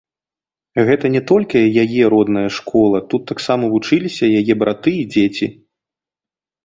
Гэта не толькі яе родная школа, тут таксама вучыліся яе браты і дзеці.